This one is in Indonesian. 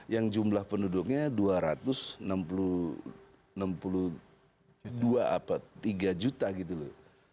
yang jumlah penduduknya dua ratus enam puluh dua apa tiga juta gitu loh